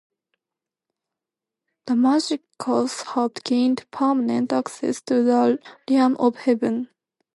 The Magickers have gained permanent access to the realm of Haven.